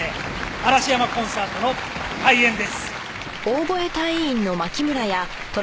嵐山コンサートの開演です！